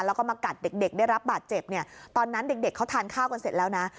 แล้วก็มากัดเด็กได้รับบาดเจ็บเนี่ยตอนนั้นเด็กเขาทานข้าวกันเสร็จแล้วนะ